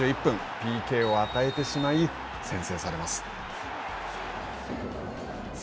ＰＫを与えてしまい、先制されます。